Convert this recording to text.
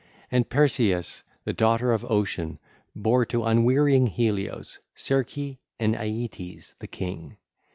(ll. 956 962) And Perseis, the daughter of Ocean, bare to unwearying Helios Circe and Aeetes the king.